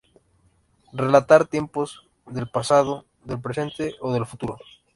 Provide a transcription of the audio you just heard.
Relatar tiempos del pasado, del presente o del futuro.